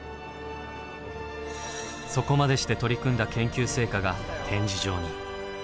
そこまでして取り組んだ研究成果が展示場に。